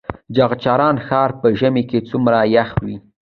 چغچران ښار په ژمي کې څومره یخ وي؟